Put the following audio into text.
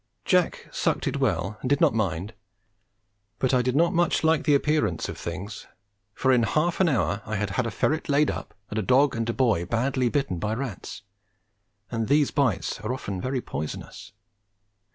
Jack sucked it well and did not mind, but I did not much like the appearance of things, for in half an hour I had had a ferret laid up, and a dog and a boy bitten badly by rats, and these bites are often very poisonous.